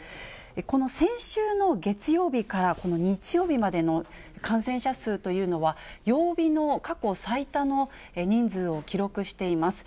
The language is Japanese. この先週の月曜日から日曜日までの感染者数というのは、曜日の過去最多の人数を記録しています。